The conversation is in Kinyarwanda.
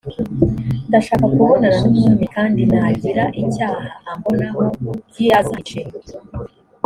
ndashaka kubonana n umwami kandi nagira icyaha ambonaho g azanyice